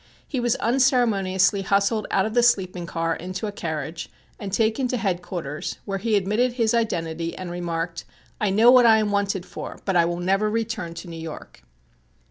He was unceremoniously hustled out of the sleeping car into a carriage and taken to Head quarters where he admitted his identity and remarked: "I know what I am wanted for, but I will never return to New York."